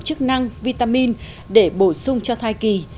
chức năng vitamin để bổ sung cho thai kỳ